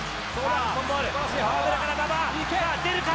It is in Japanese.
河村から馬場、出るか？